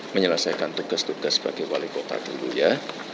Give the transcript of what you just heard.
menyelesaikan tugas tugas sebagai wali kota dulu ya